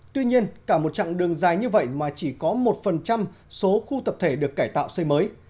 tuy nhiên cả một chặng đường dài như vậy mà chỉ có một số khu tập thể được cải tạo xây mới